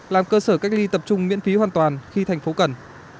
làm cơ sở cách ly tập trung miễn phí hoàn toàn khi thành phố cần